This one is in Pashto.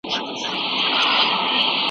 موږ بايد له نړيوال سياست څخه بې خبره نه سو.